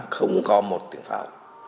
không có một tiếng pháo